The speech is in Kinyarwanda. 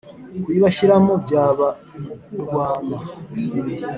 Kuyibashyiramo byaba rwana,